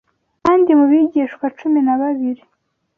kandi mu bigishwa cumi na babiri